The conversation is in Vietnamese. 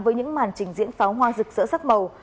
với những màn trình diễn pháo hoa rực rỡ sắc màu